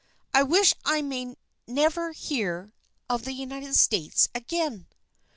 I wish I may never hear of the United States again!"